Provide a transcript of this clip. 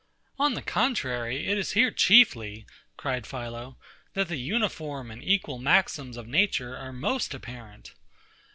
On the contrary, it is here chiefly, cried PHILO, that the uniform and equal maxims of Nature are most apparent.